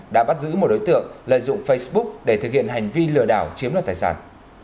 đã bắt giữ một đối tượng lợi dụng facebook để thực hiện hành vi lừa đảo chiếm đoạt tài sản